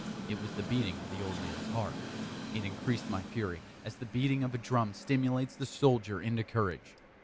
It was the beating of the old man's heart. It increased my fury, as the beating of a drum stimulates the soldier into courage.